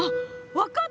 分かった！